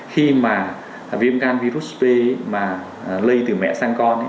khi mà viêm gan virus p mà lây từ mẹ sang con